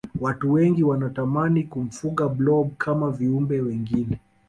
watu wengi wanatamani kumfuga blob kama viumbe wengine